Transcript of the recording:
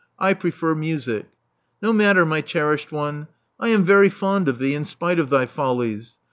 I prefer music. No matter^ my cherished one : I am very fond of thee, in spite of thy follies.